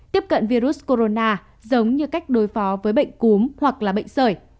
tiếp cận virus corona giống như cách đối phó với bệnh cúm hoặc là bệnh sởi